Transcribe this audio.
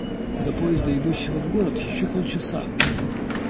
До поезда, идущего в город, еще полчаса.